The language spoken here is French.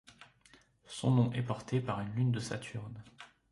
Son nom est porté par une lune de Saturne.